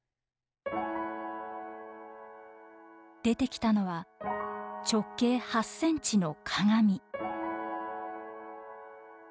出てきたのは直径８センチの鏡。